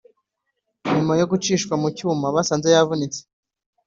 nyuma yo gucishwa mu cyuma basanze yavunitse